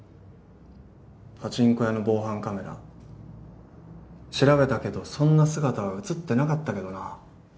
パチンコ屋の防犯カメラ、調べたけどそんな姿は映ってなかったけどな。